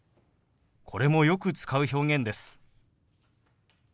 これもよく使う表現です。